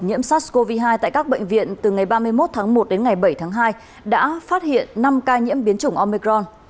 nhiễm sars cov hai tại các bệnh viện từ ngày ba mươi một tháng một đến ngày bảy tháng hai đã phát hiện năm ca nhiễm biến chủng omicron